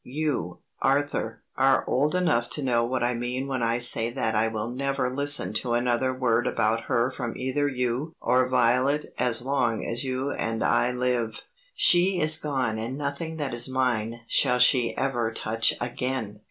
You, Arthur, are old enough to know what I mean when I say that I will never listen to another word about her from either you or Violet as long as you and I live. She is gone and nothing that is mine shall she ever touch again.